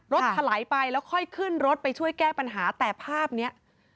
ถลายไปแล้วค่อยขึ้นรถไปช่วยแก้ปัญหาแต่ภาพเนี้ย